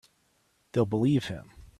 They'll believe him.